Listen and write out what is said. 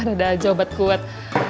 aduh ada aja obat kuat